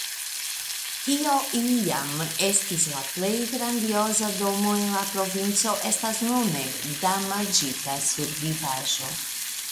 Kio iam estis la plej grandioza domo en la provinco estas nune damaĝita survivaĵo.